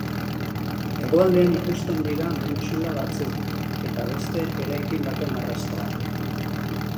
Hegoaldean ikusten dira mentsula batzuk eta beste eraikin baten arrastoak.